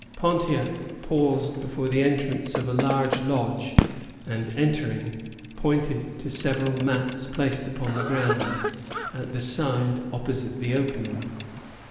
Pontiac paused before the entrance of a large lodge, and, entering, pointed to several mats placed on the ground, at the side opposite the opening.